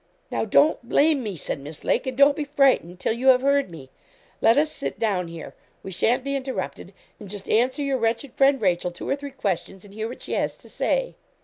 'Now, don't blame me,' said Miss Lake, 'and don't be frightened till you have heard me. Let us sit down here we shan't be interrupted and just answer your wretched friend, Rachel, two or three questions, and hear what she has to say.'